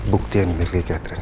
bukti yang dimiliki catherine